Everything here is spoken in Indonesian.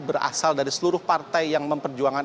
berasal dari seluruh partai yang memperjuangkan